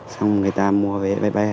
xong người ta mua vé bay